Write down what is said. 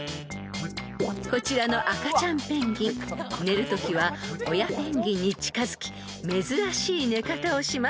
［こちらの赤ちゃんペンギン寝るときは親ペンギンに近づき珍しい寝方をします］